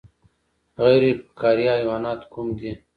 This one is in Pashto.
غیر فقاریه حیوانات کوم دي